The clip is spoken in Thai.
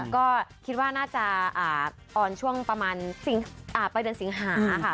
ก็คิดว่าน่าจะออนช่วงประมาณปลายเดือนสิงหาค่ะ